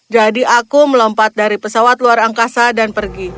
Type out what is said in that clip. jadi aku melompat dari pesawat luar angkasa dan pergi